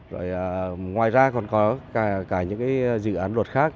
rồi ngoài ra còn có cả những cái dự án luật khác